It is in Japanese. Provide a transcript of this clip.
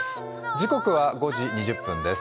時刻は５時２０分です。